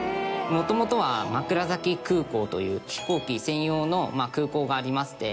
もともとは枕崎空港という飛行機専用の空港がありまして。